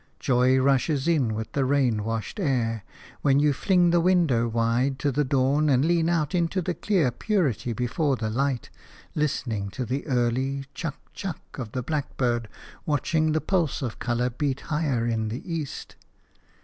Joy rushes in with the rain washed air, when you fling the window wide to the dawn and lean out into the clear purity before the light, listening to the early "chuck chuck" of the blackbird, watching the pulse of colour beat higher in the east.